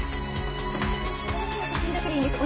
あの日の写真だけでいいんです。